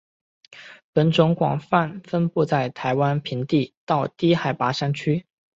本种广泛分布在台湾平地到低海拔山区。